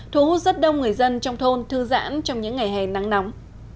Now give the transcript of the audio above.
thu hút rất đông người dân trong thôn thư giãn trong những ngày hè nắng nóng